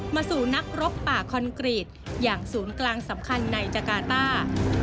สู่นักรบป่าคอนกรีตอย่างศูนย์กลางสำคัญในจกาต้า